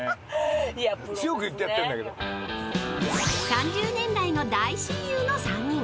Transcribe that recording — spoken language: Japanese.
［３０年来の大親友の３人］